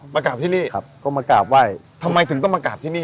กราบที่นี่ครับก็มากราบไหว้ทำไมถึงต้องมากราบที่นี่